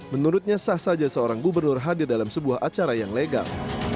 menurutnya sah saja seorang gubernur hadir dalam sebuah acara yang legal